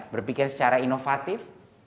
berpikir secara inovatif